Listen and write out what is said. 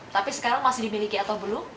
tapi sekarang masih dimiliki atau belum